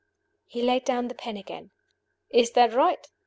_'" He laid down the pen again. "Is that right?"